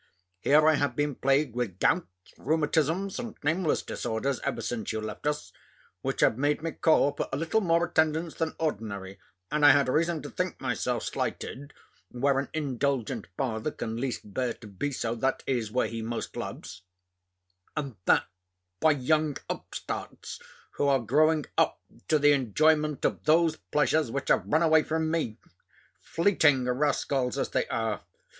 Here I have been plagued with gouts, rheumatisms, and nameless disorders, ever since you left us, which have made me call for a little more attendance than ordinary; and I had reason to think myself slighted, where an indulgent father can least bear to be so, that is, where he most loves; and that by young upstarts, who are growing up to the enjoyment of those pleasures which have run away from me, fleeting rascals as they are!